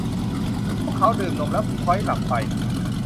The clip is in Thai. พวกเขาดื่มนมแล้วผล็อยหลับไป